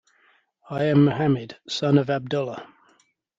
I am Muhammad, the son of Abdullah.